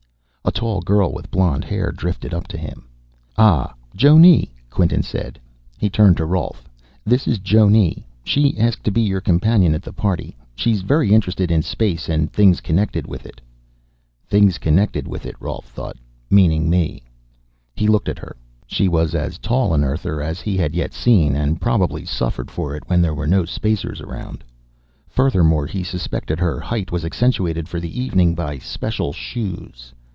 A tall girl with blonde hair drifted up to him. "Ah. Jonne," Quinton said. He turned to Rolf. "This is Jonne. She asked to be your companion at the party. She's very interested in space and things connected with it." Things connected with it, Rolf thought. Meaning me. He looked at her. She was as tall an Earther as he had yet seen, and probably suffered for it when there were no Spacers around. Furthermore, he suspected, her height was accentuated for the evening by special shoes.